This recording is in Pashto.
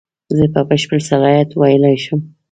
زه په بشپړ صلاحیت ویلای شم.